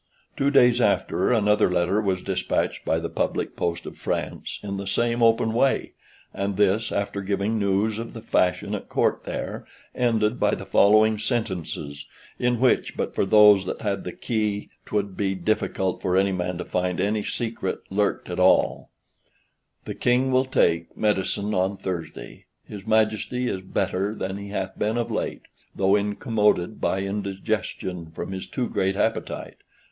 Two days after another letter was despatched by the public post of France, in the same open way, and this, after giving news of the fashion at Court there, ended by the following sentences, in which, but for those that had the key, 'twould be difficult for any man to find any secret lurked at all: "(The King will take) medicine on Thursday. His Majesty is better than he hath been of late, though incommoded by indigestion from his too great appetite.